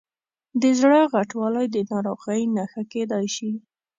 د زړه غټوالی د ناروغۍ نښه کېدای شي.